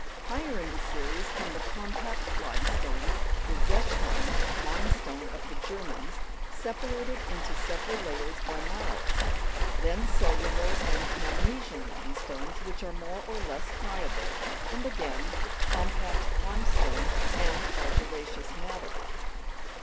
Higher in the series come the compact limestones, the zechstein (mine stone) of the Germans, separated into several layers by marls ; then cellular and magnesian limestones, which are more or Ises friable, and again, compact limestone and argilla'ceous matter.